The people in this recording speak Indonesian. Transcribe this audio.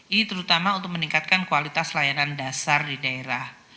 ini terutama untuk meningkatkan kualitas layanan dasar di daerah